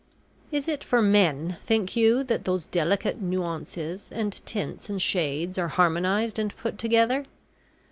Is it for men, think you, that those delicate nuances and tints and shades are harmonised and put together?